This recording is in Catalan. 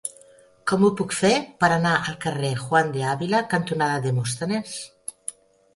Com ho puc fer per anar al carrer Juan de Ávila cantonada Demòstenes?